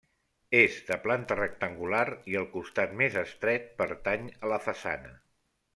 És de planta rectangular i el costat més estret pertany a la façana.